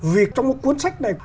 vì trong một cuốn sách này